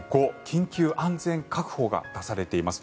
５緊急安全確保が出されています。